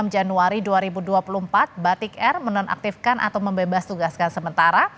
enam januari dua ribu dua puluh empat batik air menonaktifkan atau membebas tugaskan sementara